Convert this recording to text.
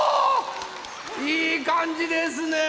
いいかんじですね！